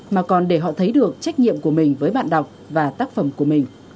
mà còn để họ thấy được trách nhiệm của mình với bạn đọc và tác phẩm của mình